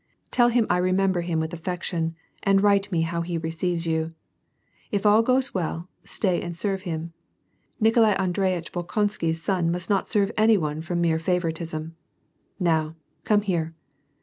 Tell him I remember him with affection, and write me how he receives you. If all goes well, stay and serve him. Nikolai Audrey itch Bolkonsky's son must not serve any one from mere favoritism. Now, come here."